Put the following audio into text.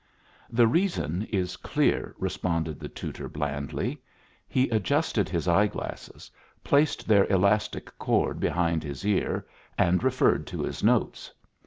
"The reason is clear," responded the tutor, blandly. He adjusted his eyeglasses, placed their elastic cord behind his ear, and referred to his notes.